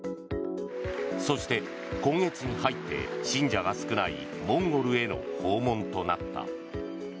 そして、今月に入って信者が少ないモンゴルへの訪問となった。